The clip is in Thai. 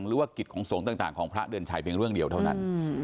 หรือว่ากิจของสงฆ์ต่างของพระเดือนชัยเพียงเรื่องเดียวเท่านั้น